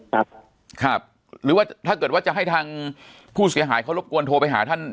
ครับครับหรือว่าถ้าเกิดว่าจะให้ทางผู้เสียหายเขารบกวนโทรไปหาท่าน